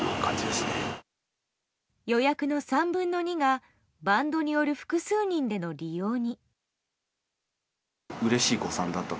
予約の３分の２がバンドによる複数人での利用に。